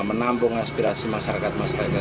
menampung aspirasi masyarakat masyarakat